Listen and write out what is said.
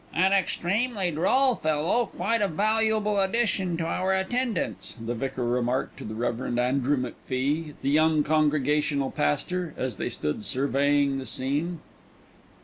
"An extremely droll fellow, quite a valuable addition to our attendants," the vicar remarked to the Rev. Andrew McFie, the young Congregational pastor, as they stood surveying the scene.